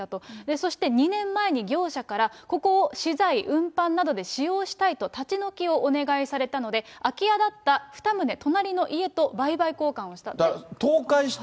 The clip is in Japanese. そして２年前に業者からここを資材運搬などで使用したいと、立ち退きをお願いされたので、空き家だった２棟隣の家と売買交換をした。